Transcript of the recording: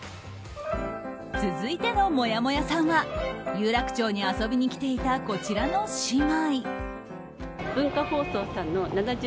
続いてのもやもやさんは有楽町に遊びに来ていたこちらの姉妹。